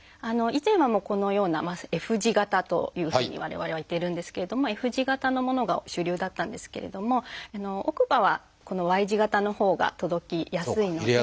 以前はこのような「Ｆ字型」というふうに我々は言っているんですけれどもＦ字型のものが主流だったんですけれども奥歯はこの「Ｙ字型」のほうが届きやすいので。